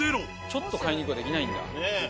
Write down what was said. ちょっと買いに行くができないんだ。